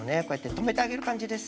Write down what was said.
とめてあげる感じです。